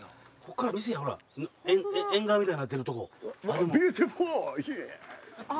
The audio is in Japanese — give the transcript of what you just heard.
ここから店やほら縁側みたいになってるとこ。